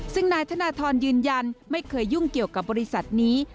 ซึ่งนายธนทรยืนยันไม่เคยยุ่งเกี่ยวกับบริษัทนี้